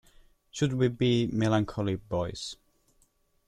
Should we be melancholy, boys?